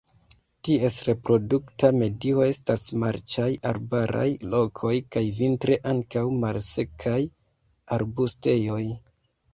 Ties reprodukta medio estas marĉaj arbaraj lokoj kaj vintre ankaŭ malsekaj arbustejoj.